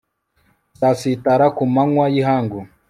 uzasitara ku manywa y ihangu